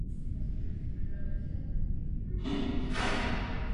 Na středním toku protéká Dolní Lhotou a ostravskou čtvrtí Krásné Pole.